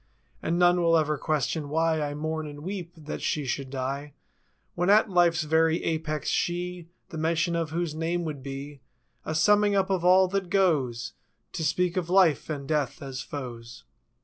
And none will ever question why I mourn and weep. That she should die When at life's very apex—she. The mention of whose name would be A summing up of all that goes To speak of Life and Death as foes.